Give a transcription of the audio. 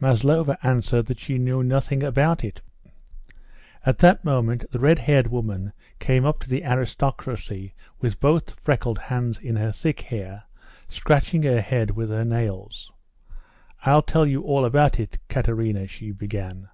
Maslova answered that she knew nothing about it. At that moment the red haired woman came up to the "aristocracy" with both freckled hands in her thick hair, scratching her head with her nails. "I'll tell you all about it, Katerina," she began.